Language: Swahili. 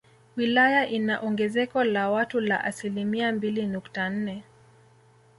Wilaya ina ongezeko la watu la asilimia mbili nukta nne